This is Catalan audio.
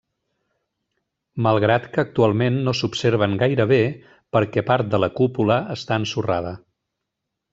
Malgrat que actualment no s'observen gaire bé perquè part de la cúpula està ensorrada.